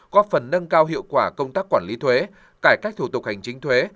góp phần nâng cao hiệu quả công tác quản lý thuế cải cách thủ tục hành chính thuế